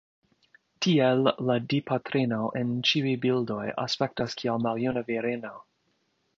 Tiel la Dipatrino en ĉiuj bildoj aspektis kiel maljuna virino.